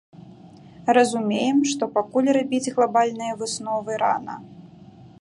Разумеем, што пакуль рабіць глабальныя высновы рана.